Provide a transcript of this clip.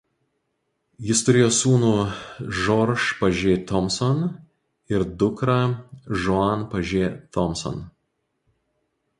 Jis turėjo sūnų George Paget Thomson ir dukrą Joan Paget Thomson.